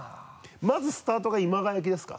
まずスタートが今川焼きですか？